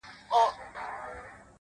o د سترگو هره ائينه کي مي جلا ياري ده،